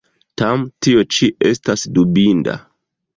Tam tio ĉio estas dubinda.